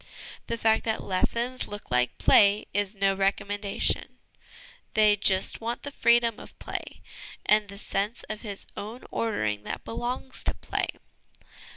The fact that lessons look like play is no recommendation : they just want the freedom of play and the sense of his own ordering that belongs to play.